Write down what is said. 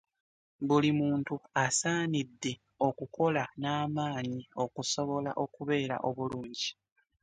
Buli muntu asaanidde okukola n'amaanyi okusobola okubeera obulungi.